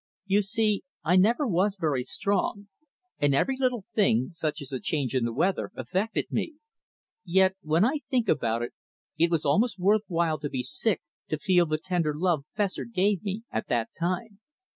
You see I never was very strong, and every little thing, such as a change in the weather, affected me. Yet when I think about it, it was almost worth while to be sick to feel the tender love Fessor gave me at that time.